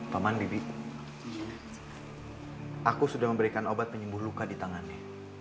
paman bibi aku sudah memberikan obat penyembuh luka di tangannya